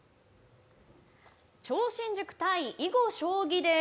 超新塾対囲碁将棋です。